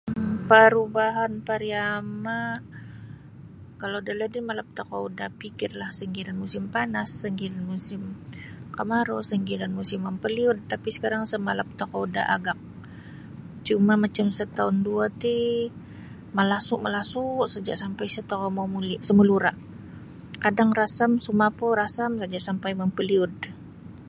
parubahan pariyama kalau dalaid ti malap tokou da pikir lah sanggiran musim panas, sanggiran musim kemaru sanggiran musim mampeliud tapi sekarang isa malap tokou da agak cuma macam setaun dua tii malasu malasuu seja sampai isa tokou mo muli sumalura kadang rasam sumapu rasam saja sampai mampeliud